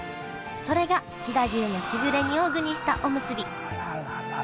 それが飛騨牛のしぐれ煮を具にしたおむすびあらららら。